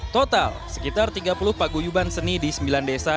total sekitar tiga puluh paguyuban seni di sembilan desa